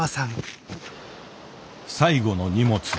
最後の荷物。